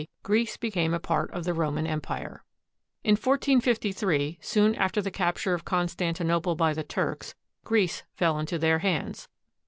Greece became a part of the Roman Empire. In 1453, soon after the capture of Constantinople by the Turks, Greece fell into their hands.